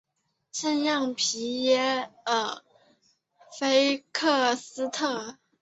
圣让皮耶尔菲克斯特。